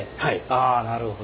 ああなるほど。